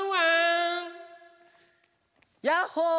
ヤッホー！